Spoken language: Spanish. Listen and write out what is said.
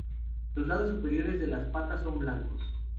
Los lados superiores de las patas son blancos.